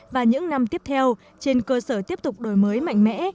và những năm tiếp theo trên cơ sở tiếp tục đổi mới mạnh mẽ